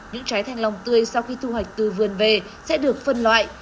những trái thanh long tươi sau khi thu hoạch từ vườn về sẽ được phân loại